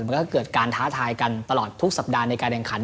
มันก็เกิดการท้าทายกันตลอดทุกสัปดาห์ในการแข่งขัน